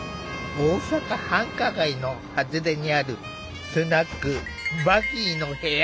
大阪繁華街の外れにあるスナック「バギーの部屋」。